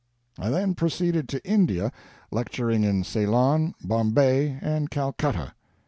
"I then proceeded to India, lecturing in Ceylon, Bombay, and Calcutta.